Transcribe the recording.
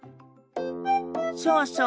そうそう。